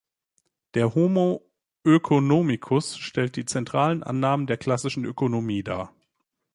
Der Homo Oeconomicus stellt die zentralen Annahmen der klassischen Ökonomie dar.